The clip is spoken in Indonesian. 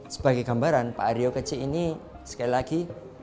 sebagai gambaran pak aryo keji ini sekali lagi